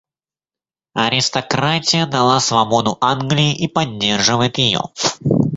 Аристократия дала свободу Англии и поддерживает ее.